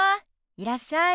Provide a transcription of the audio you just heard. いらっしゃい。